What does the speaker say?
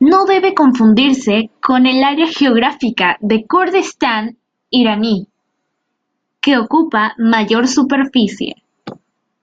No debe confundirse con el área geográfica del Kurdistán Iraní, que ocupa mayor superficie.